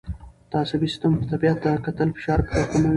د عصبي سیستم طبیعت ته کتل فشار راکموي.